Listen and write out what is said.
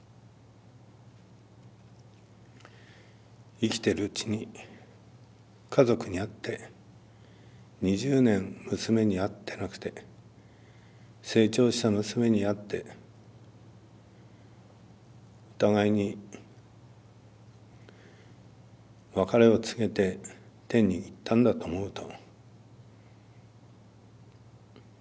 生きてるうちに家族に会って２０年娘に会ってなくて成長した娘に会ってお互いに別れを告げて天に行ったんだと思うと。